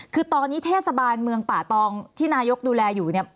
คือตอนนี้เทศบาลเมืองป่าตองที่นายกดูแลอยู่เนี่ย